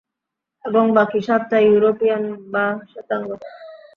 এবং বাকি সাতটা ইউরোপীয়ান বা শেতাঙ্গ।